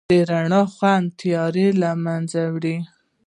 د رڼا خوند تیاره لمنځه وړي.